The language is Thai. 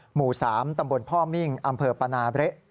หมู่๓ตำรวจศพมิ่งอำเภอปานาเบระ